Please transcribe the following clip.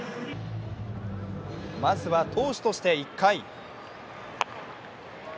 まずは投手として１回。